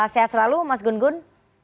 sehat selalu mas gun gun